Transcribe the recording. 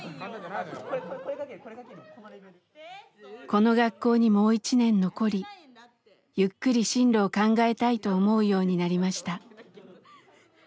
この学校にもう１年残りゆっくり進路を考えたいと思うようになりました。